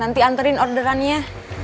nanti anterin orderannya